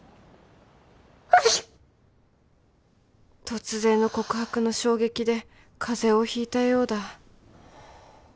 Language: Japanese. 突然の告白の衝撃で風邪をひいたようだ